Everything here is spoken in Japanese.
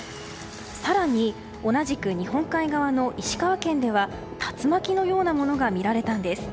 更に、同じく日本海側の石川県では竜巻のようなものが見られたんです。